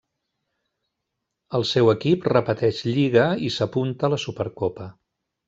El seu equip repeteix lliga i s'apunta la Supercopa.